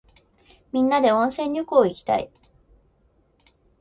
みんなで温泉旅行いきたい。